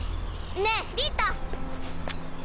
ねえリタ！